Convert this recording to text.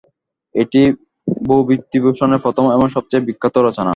এটি বিভূতিভূষণের প্রথম এবং সবচেয়ে বিখ্যাত রচনা।